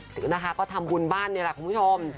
นะคะก็ทำบุญบ้านนี่แหละคุณผู้ชม